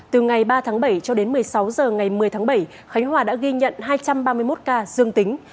từ ngày ba tháng bảy cho đến một mươi sáu h ngày một mươi tháng bảy khánh hòa đã ghi nhận hai trăm ba mươi một ca dương tính